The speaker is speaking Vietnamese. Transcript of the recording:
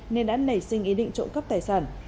nên đã nảy sinh ý định trụ cấp tài sản